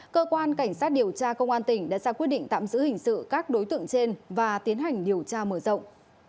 cơ quan cảnh sát điều tra công an tỉnh đã ra quyết định tạm giữ hình sự các đối tượng trên và tiến hành điều tra mở rộng